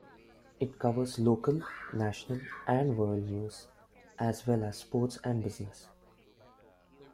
It covers local, national, and world news as well as sports and business.